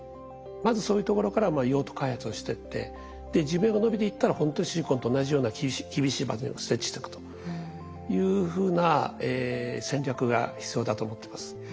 まずそういうところから用途開発をしてって寿命がのびていったらほんとにシリコンと同じような厳しい場所に設置していくというふうな戦略が必要だと思ってます。